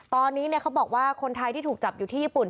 ตอนนี้เขาบอกว่าคนไทยที่ถูกจับอยู่ที่ญี่ปุ่น